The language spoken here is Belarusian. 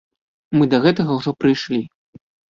Мы да гэтага ўжо прыйшлі.